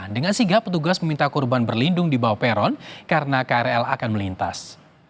dengan sigap petugas meminta korban berlindung di bawah peron karena krl akan melintas